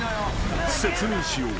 ［説明しよう。